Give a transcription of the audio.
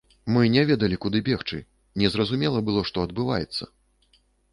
Мы не ведалі, куды бегчы, не зразумела было, што адбываецца.